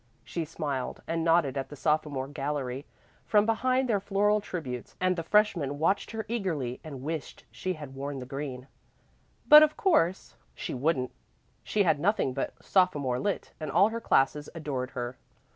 She smiled and nodded at the sophomore gallery from behind their floral tributes; and the freshmen watched her eagerly and wished she had worn the green. But of course she wouldn't; she had nothing but sophomore lit., and all her classes adored her.